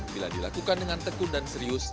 bila dilakukan dengan tekun dan serius